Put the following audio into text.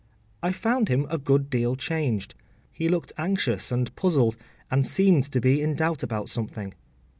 I found him a good deal changed. He looked anxious and puzzled, and seemed to be in doubt about something.